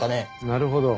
なるほど。